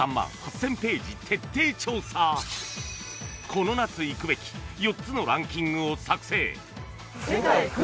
［この夏行くべき４つのランキングを作成］